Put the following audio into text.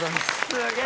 すげえ！